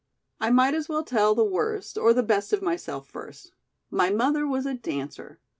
"I might as well tell the worst or the best of myself first. My mother was a dancer.